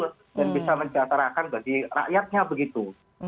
dan bisa mencatatakan bagi rakyatnya begitu